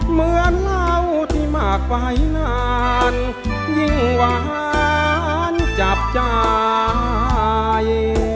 เหมือนเราที่มากไปนานยิ่งหวานจับใจ